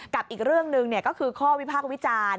อีกเรื่องหนึ่งก็คือข้อวิพากษ์วิจารณ์